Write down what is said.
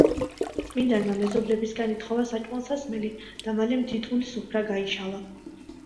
წმიდანმა მეზობლებისაგან ითხოვა საჭმელ-სასმელი და მალე მდიდრული სუფრა გაიშალა.